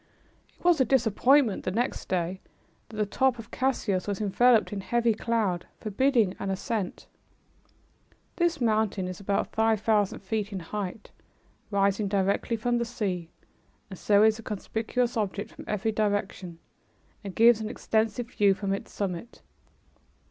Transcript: It was a disappointment the next day that the top of Cassius was enveloped in heavy cloud, forbidding an ascent. This mountain is about five thousand feet in height, rising directly from the sea, and so is a conspicuous object from every direction and gives an extensive view from its summit.